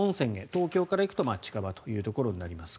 東京から行くと近場ということになります。